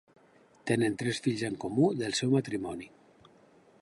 Tenen tres fills en comú del seu matrimoni.